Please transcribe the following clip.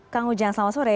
kang ujang selamat sore